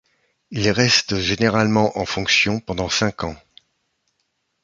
Ils restent généralement en fonction pendant cinq ans.